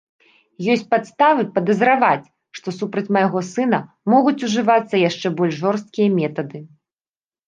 Ёсць падставы падазраваць, што супраць майго сына могуць ужывацца яшчэ болей жорсткія метады.